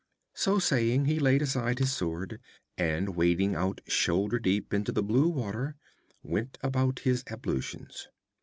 So saying, he laid aside his sword, and wading out shoulder deep into the blue water, went about his ablutions.